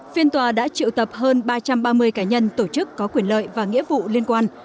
phiên tòa đã triệu tập hơn ba trăm ba mươi cá nhân tổ chức có quyền lợi và nghĩa vụ liên quan